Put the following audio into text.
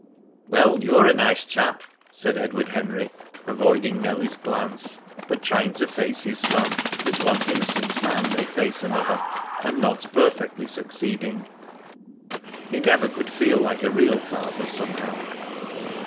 "Well, you're a nice chap!" said Edward Henry, avoiding Nellie's glance, but trying to face his son as one innocent man may face another, and not perfectly succeeding. He never could feel like a real father somehow.